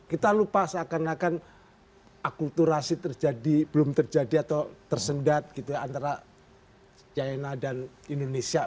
kita lupa seakan akan akulturasi terjadi belum terjadi atau tersendat gitu ya antara china dan indonesia